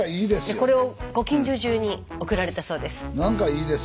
これをご近所中に送られたそうです。